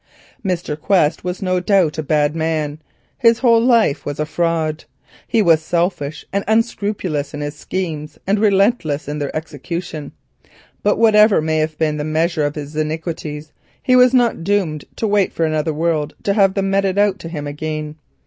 Mr. Quest was no doubt a bad man; his whole life was a fraud, he was selfish and unscrupulous in his schemes and relentless in their execution, but whatever may have been the measure of his iniquities, he was not doomed to wait for another world to have them meted out to him again.